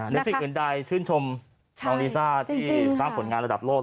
นิสิกเงินใดชื่นชมลองลีซ่าที่สร้างผลงานระดับโลก